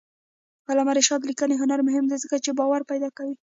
د علامه رشاد لیکنی هنر مهم دی ځکه چې باور پیدا کوي.